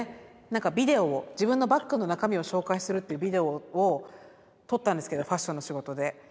何かビデオを自分のバッグの中身を紹介するっていうビデオを撮ったんですけどファッションの仕事で。